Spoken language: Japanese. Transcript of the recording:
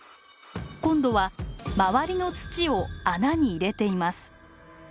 今度は周りの土を穴に入れています。